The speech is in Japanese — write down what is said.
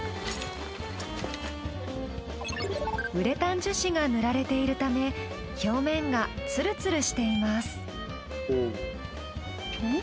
ウレタン樹脂が塗られているため表面がツルツルしています。